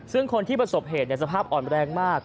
ซึ่งคนที่ประสบเหตุสภาพอ่อนแรงมาก